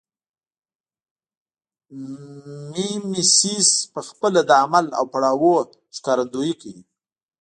میمیسیس پخپله د عمل او پړاوونو ښکارندویي کوي